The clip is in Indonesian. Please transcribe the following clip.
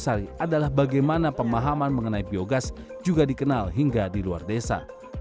sari adalah bagaimana pemahaman mengenai biogas juga dikenal hingga di luar desa